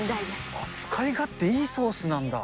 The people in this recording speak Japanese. あ、使い勝手いいソースなんだ。